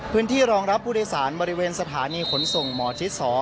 พื้นที่รองรับผู้โดยสารบริเวณสถานีขนส่งหมอชิด๒